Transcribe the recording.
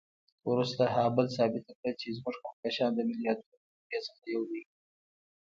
وروسته هابل ثابته کړه چې زموږ کهکشان د میلیاردونو له جملې یو دی.